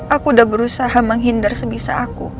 aku udah berusaha menghindar sebisa aku